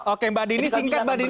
oke mbak dini singkat